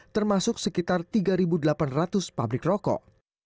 termasuk sekitar tiga delapan ratus pabrik rokok